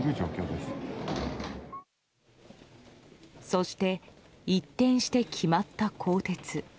そして、一転して決まった更迭。